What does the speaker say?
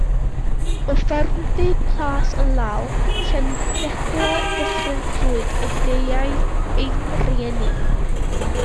O ffermdy Plas yn Iâl, Llandegla, Dyffryn Clwyd y deuai ei rieni.